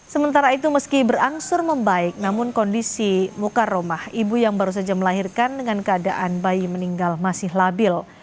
sementara itu meski berangsur membaik namun kondisi muka rumah ibu yang baru saja melahirkan dengan keadaan bayi meninggal masih labil